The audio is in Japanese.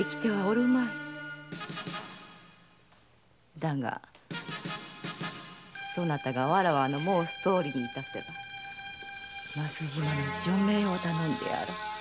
だがそなたがわらわの申すとおりにすれば増島の助命を頼んでやろう。